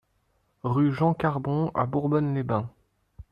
Rue Jean Carbon à Bourbonne-les-Bains